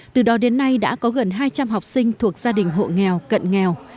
từ đó đến nay đã có gần hai trăm linh học sinh thuộc gia đình hộ nghèo cận nghèo